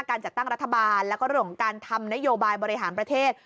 การจัดตั้งรัฐบาลแล้วก็เรื่องของการทำนโยบายบริหารประเทศ